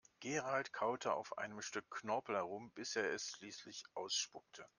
Gerald kaute auf einem Stück Knorpel herum, bis er es schließlich ausspuckte.